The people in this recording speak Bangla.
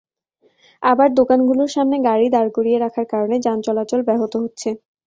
আবার দোকানগুলোর সামনে গাড়ি দাঁড় করিয়ে রাখার কারণে যান চলাচল ব্যাহত হচ্ছে।